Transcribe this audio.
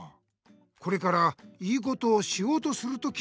これから良いことをしようとするとき。